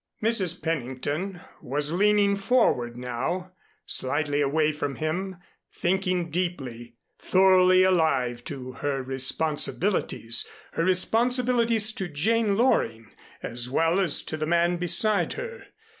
Mrs. Pennington was leaning forward now, slightly away from him, thinking deeply, thoroughly alive to her responsibilities her responsibilities to Jane Loring as well as to the man beside her.